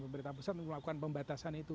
pemerintah pusat melakukan pembatasan itu